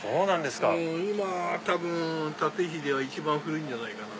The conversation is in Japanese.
今多分立石では一番古いんじゃないかな。